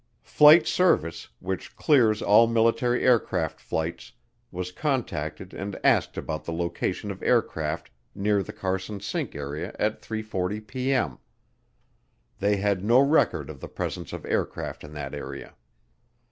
Flight Service, which clears all military aircraft flights, was contacted and asked about the location of aircraft near the Carson Sink area at 3:40P.M. They had no record of the presence of aircraft in that area.